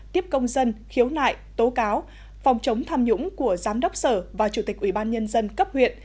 tiếp công dân khiếu nại tố cáo phòng chống tham nhũng của giám đốc sở và chủ tịch ủy ban nhân dân cấp huyện